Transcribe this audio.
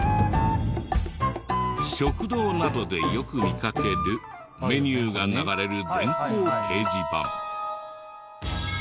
食堂などでよく見かけるメニューが流れる電光掲示板。